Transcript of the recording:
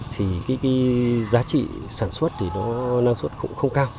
thì cái giá trị sản xuất thì nó năng suất cũng không cao